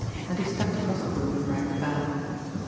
And he stepped across the room and rang the bell.